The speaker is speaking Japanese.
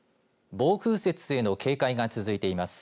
暴風雪への警戒が続いています。